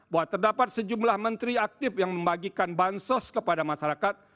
bahwa terdapat sejumlah menteri aktif yang membagikan bansos kepada masyarakat